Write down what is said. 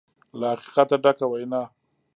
له حقیقته ډکه وینا